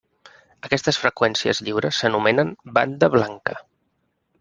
Aquestes freqüències lliures s'anomenen Banda Blanca.